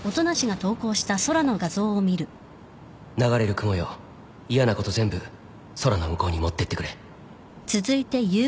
「流れる雲よいやなこと全部空の向こうに持ってってくれ」